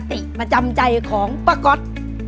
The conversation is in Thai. จะกินคติประจำใจของป๊าก๊อต